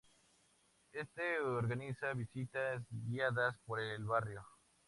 Este organiza visitas guiadas por el barrio.